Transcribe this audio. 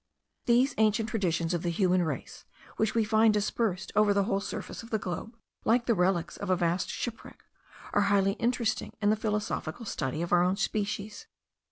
These ancient traditions of the human race, which we find dispersed over the whole surface of the globe, like the relics of a vast shipwreck, are highly interesting in the philosophical study of our own species.